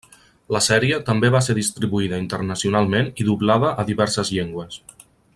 La sèrie també va ser distribuïda internacionalment i doblada a diverses llengües.